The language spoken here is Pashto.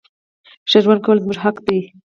ښه ژوند کول زموږ حق ده.